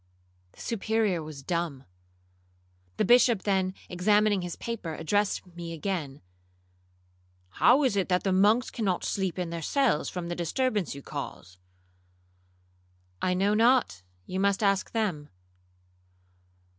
The Superior was dumb. The Bishop then examining his paper, addressed me again, 'How is it that the monks cannot sleep in their cells from the disturbance you cause?'—'I know not—you must ask them.'